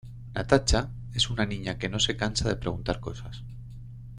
Natacha es una niña que no se cansa de preguntar cosas.